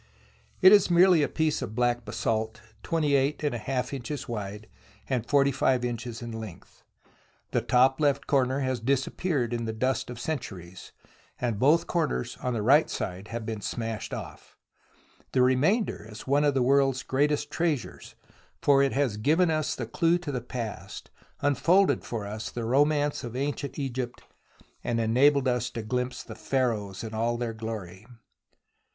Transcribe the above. It is merely a piece of black basalt 28^ inches wide and 45 inches in length. 2 THE ROMANCE OF EXCAVATION The top left corner has disappeared in the dust of centuries, and both corners on the right side have been smashed off. The remainder is one of the world's greatest treasures, for it has given us the clue to the past, unfolded for us the romance of ancient Egypt, and enabled us to glimpse the Pharaohs in all their glory.